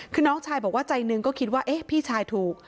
คือน้องชายบอกว่าใจหนึ่งก็คิดว่าเอ๊ะพี่ชายถูก